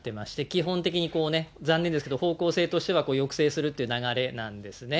基本的に、こうね、残念ですけど、方向性としては抑制するっていう流れなんですね。